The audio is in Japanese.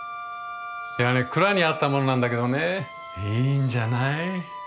いやね蔵にあったものなんだけどねいいんじゃない。